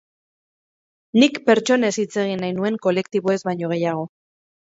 Nik pertsonez hitz egin nahi nuen, kolektiboez baino gehiago.